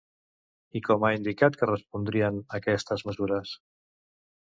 I com ha indicat que respondrien a aquestes mesures?